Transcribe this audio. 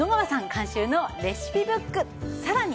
監修のレシピブックさらに